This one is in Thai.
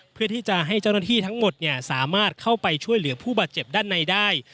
เพื่อที่จะให้เจ้าหน้าที่ทั้งหมดสามารถเข้าไปช่วยเหลือผู้บาดเจ็บด้านในได้